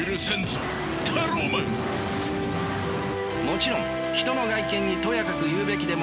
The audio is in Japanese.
もちろん人の外見にとやかく言うべきでもないのである。